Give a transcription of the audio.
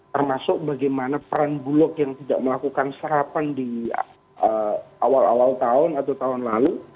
termasuk bagaimana peran bulog yang tidak melakukan serapan di awal awal tahun atau tahun lalu